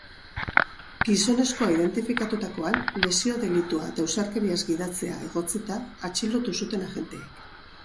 Gizonezkoa identifikatutakoan, lesio delitua eta ausarkeriaz gidatzea egotzita atxilotu zuten agenteek.